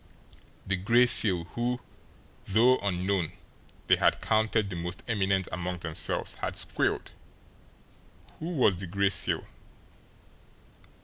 The Gray Seal who, though unknown, they had counted the most eminent among themselves, had squealed! Who was the Gray Seal?